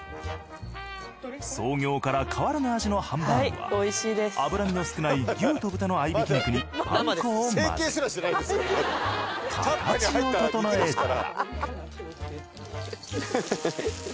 創業から変わらぬ味のハンバーグは脂身の少ない牛と豚の合い挽き肉にパン粉を混ぜ形を整えたら。